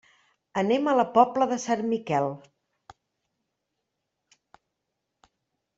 Anem a la Pobla de Sant Miquel.